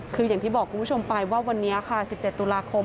คืออย่างที่บอกคุณผู้ชมไปว่าวันนี้ค่ะ๑๗ตุลาคม